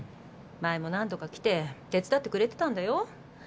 前も何度か来て手伝ってくれてたんだよ。